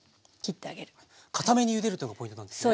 かためにゆでるというのがポイントなんですね。